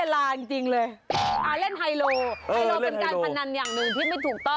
ไม่ใช่ไฮโล